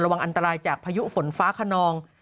วางอันตรายจากพายุฝนฟ้าขนอง